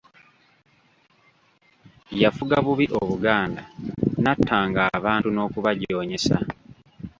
Yafuga bubi Obuganda, n'attanga abantu n'okubajoonyesa.